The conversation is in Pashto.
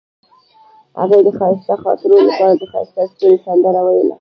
هغې د ښایسته خاطرو لپاره د ښایسته ستوري سندره ویله.